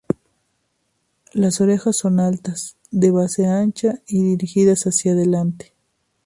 Las orejas son altas, de base ancha y dirigidas hacia delante.